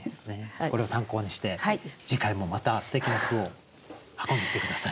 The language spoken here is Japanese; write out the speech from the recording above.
これを参考にして次回もまたすてきな句を運んできて下さい。